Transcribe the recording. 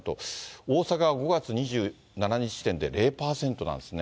大阪は５月２７日時点で０％なんですね。